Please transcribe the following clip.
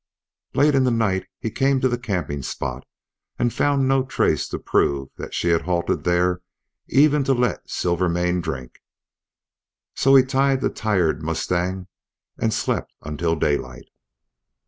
Late in the night he came to the camping spot and found no trace to prove that she had halted there even to let Silvermane drink. So he tied the tired mustang and slept until daylight.